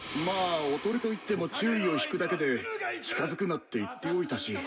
まあおとりといっても注意を引くだけで近づくなって言っておいたし。